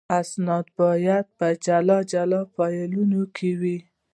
اسناد باید په جلا جلا فایلونو کې وي.